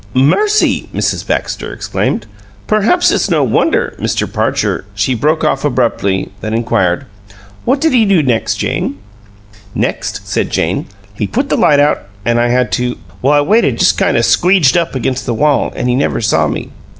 "Mercy!" Mrs. Baxter exclaimed. "Perhaps it's no wonder Mr. Parcher " She broke off abruptly, then inquired, "What did he do next, Jane?" "Next," said Jane, "he put the light out, an' I had to well, I just waited kind of squeeged up against the wall, an' he never saw me.